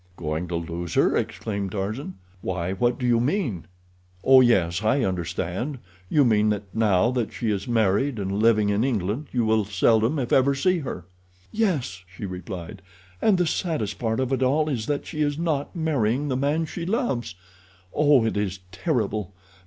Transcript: "Going to lose her?" exclaimed Tarzan. "Why, what do you mean? Oh, yes, I understand. You mean that now that she is married and living in England, you will seldom if ever see her." "Yes," replied she; "and the saddest part of it all is that she is not marrying the man she loves. Oh, it is terrible.